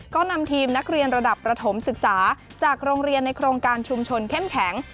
ก็นำทีมนักเรียนระดับประถมศึกษาจากโรงเรียนในโครงการชุมชนเข้มแข็ง